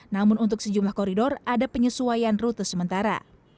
namun untuk sejumlah koridor ada penyesuaian rute sementara